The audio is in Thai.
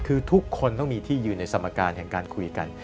คือทุกคนต้องมีที่ยืนในสมการแห่งการคุยกัน